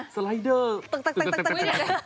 สไลเดอร์ต